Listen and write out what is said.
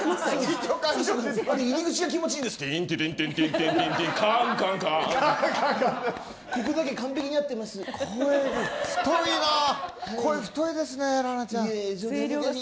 入り口が気持ち良いんです。